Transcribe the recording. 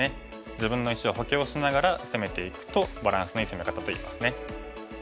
自分の石を補強しながら攻めていくとバランスのいい攻め方と言えます。